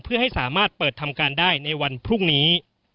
เพื่อให้สามารถเปิดทำการได้ในวันพรุ่งนี้